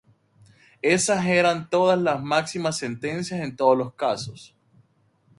Esas eran todas las máximas sentencias en todos los casos.